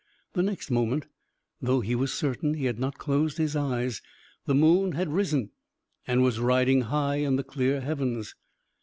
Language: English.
The next moment, though he was certain he had not closed his eyes, the moon had risen and was riding high in the clear heavens.